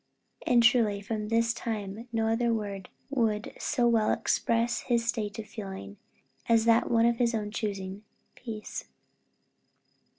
And truly, from this time no other word would so well express his state of feeling, as that one of his own choosing peace.